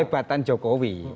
itu kehebatan jokowi